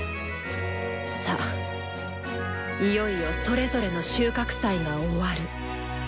さあいよいよそれぞれの収穫祭が終わる。